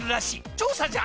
調査じゃ！